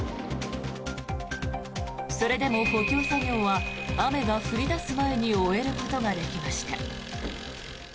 それでも補強作業は雨が降り出す前に終えることができました。